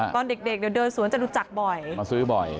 ตอนเด็กเดี๋ยวเดินสวนจตุจักรบ่อยมาซื้อบ่อย